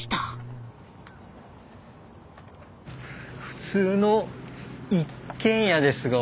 普通の一軒家ですが。